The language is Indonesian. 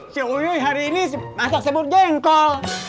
si uyuy hari ini masak sebur geng kol